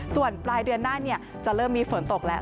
ส่วนปลายเดือนหน้าจะเริ่มมีฝนตกแล้ว